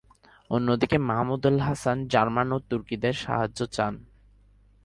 অন্যদিকে মাহমুদুল হাসান জার্মান ও তুর্কিদের সাহায্য চান।